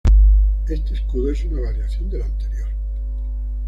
Este escudo es una variación del anterior.